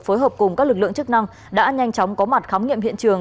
phối hợp cùng các lực lượng chức năng đã nhanh chóng có mặt khám nghiệm hiện trường